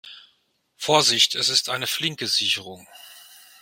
Vorsichtig, es ist eine flinke Sicherung.